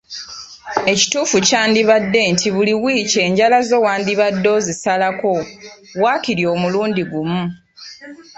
Ekituufu kyandibadde nti buli wiiki enjala zo wandibadde ozisalako waakiri omulundi gumu.